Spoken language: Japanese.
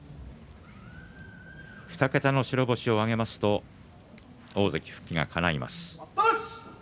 ２桁の白星を挙げますと大関復帰がかないます。